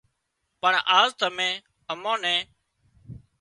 پڻ آز تمين امان نين